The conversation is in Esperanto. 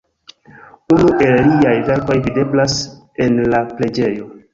Unu el liaj verkoj videblas en la preĝejo.